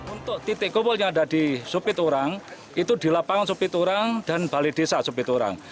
untuk titik kumpul yang ada di supiturang itu di lapangan supiturang dan balai desa supiturang